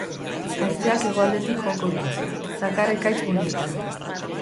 Haizeak hegoaldetik joko du, zakar ekaitz guneetan.